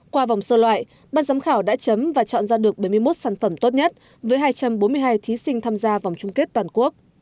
qua vòng sơ loại ban giám khảo đã chấm và chọn ra được bảy mươi một sản phẩm tốt nhất với hai trăm bốn mươi hai thí sinh tham gia vòng chung kết toàn quốc